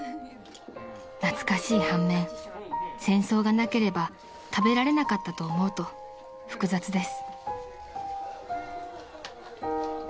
［懐かしい半面戦争がなければ食べられなかったと思うと複雑です］